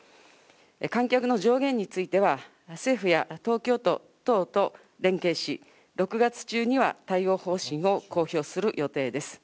観客の上限については、政府や東京都等と連携し、６月中には対応方針を公表する予定です。